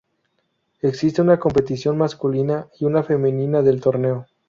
Existe una competición masculina y una femenina del torneo.